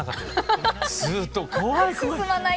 ずっと「怖い怖い」。